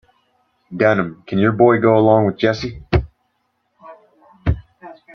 Dunham, can your boy go along with Jesse.